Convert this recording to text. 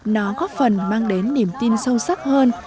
nó góp phần mang đến niềm tin sâu sắc hơn